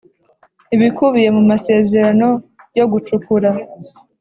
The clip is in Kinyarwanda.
Ibikubiye mu masezerano yo gucukura